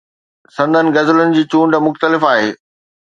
سندن غزلن جي چونڊ مختلف آهي.